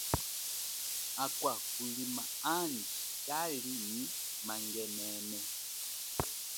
Akwa kulima andji kali nyi mangenene.